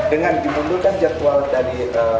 dengan dimundurkan jadwal dari